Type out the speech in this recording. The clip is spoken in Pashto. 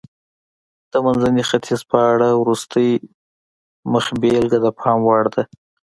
د منځني ختیځ په اړه وروستۍ مخبېلګه د پام وړ ده.